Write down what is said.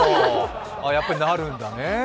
やっぱりなるんだね。